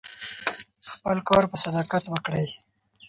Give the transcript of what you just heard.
خپل کار په صداقت وکړئ.